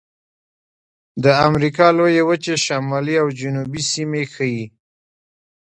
د امریکا لویې وچې شمالي او جنوبي سیمې ښيي.